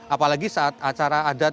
apalagi saat acara adat